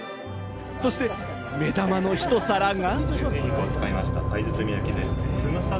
そして目玉のひと皿が。